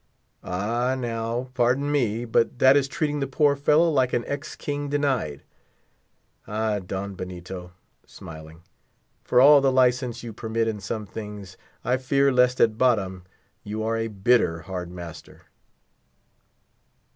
"Ah now, pardon me, but that is treating the poor fellow like an ex king indeed. Ah, Don Benito," smiling, "for all the license you permit in some things, I fear lest, at bottom, you are a bitter hard master."